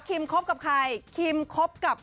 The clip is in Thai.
คบกับใครคิมคบกับ